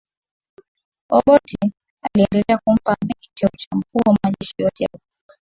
Obote aliendelea kumpa Amin cheo cha mkuu wa majeshi yote ya ulinzi